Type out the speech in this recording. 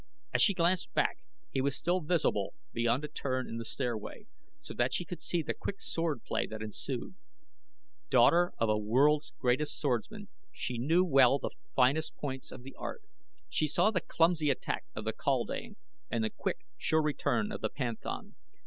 As she glanced back he was still visible beyond a turn in the stairway, so that she could see the quick swordplay that ensued. Daughter of a world's greatest swordsman, she knew well the finest points of the art. She saw the clumsy attack of the kaldane and the quick, sure return of the panthan.